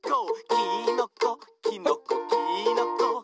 「きーのこきのこきーのこ」